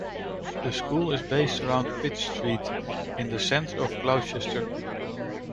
The school is based around Pitt Street in the centre of Gloucester.